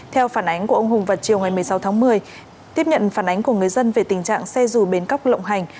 theo phản ánh của ông hùng vào chiều ngày một mươi sáu tháng một mươi tiếp nhận phản ánh của người dân về tình trạng xe dù bến cóc lộng hành